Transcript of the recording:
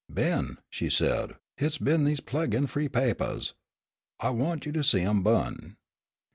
"Ben," she said, "hit's been dese pleggoned free papahs. I want you to see em bu'n."